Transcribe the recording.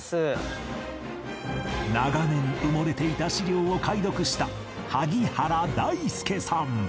長年埋もれていた史料を解読した萩原大輔さん